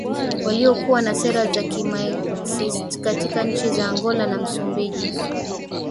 waliokuwa na sera za kimaxist katika nchi za Angola na Msumbiji